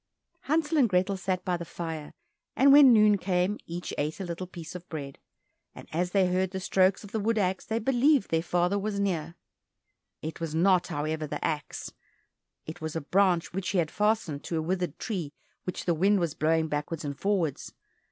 Hansel and Grethel sat by the fire, and when noon came, each ate a little piece of bread, and as they heard the strokes of the wood axe they believed that their father was near. It was not, however, the axe, it was a branch which he had fastened to a withered tree which the wind was blowing backwards and forwards.